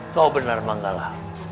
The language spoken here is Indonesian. kau benar manggala